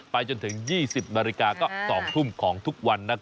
ไปจนถึง๒๐นก็๒ทุ่มของทุกวันนะครับ